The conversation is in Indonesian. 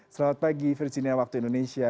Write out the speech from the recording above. selamat pagi virginia waktu indonesia